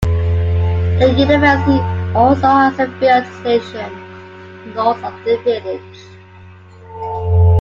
The University also has a field station north of the village.